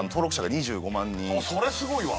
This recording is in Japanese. それすごいわ。